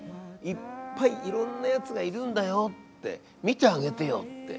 いっぱいいろんなやつがいるんだよって見てあげてよって。